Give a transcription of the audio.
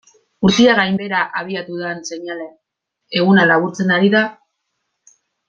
Urtea gainbehera abiatu den seinale, eguna laburtzen ari da.